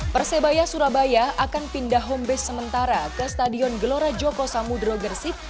persebaya surabaya akan pindah home base sementara ke stadion gelora joko samudro gersik